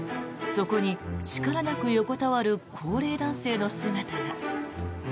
そこに力なく横たわる高齢男性の姿が。